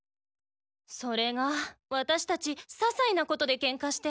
それがワタシたちささいなことでケンカして。